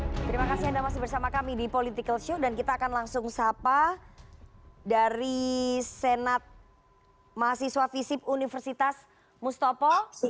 terima kasih anda masih bersama kami di political show dan kita akan langsung sapa dari senat mahasiswa visip universitas mustafa